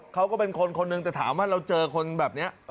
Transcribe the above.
เขาก็เป็นคนคนหนึ่งแต่ถามว่าเราเจอคนแบบนี้